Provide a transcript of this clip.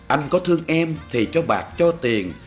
anh có thương em thì cho bạc cho tiền